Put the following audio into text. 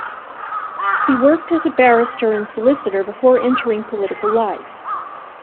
He worked as a barrister and solicitor before entering political life.